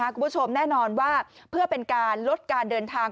คุณผู้ชมแน่นอนว่าเพื่อเป็นการลดการเดินทาง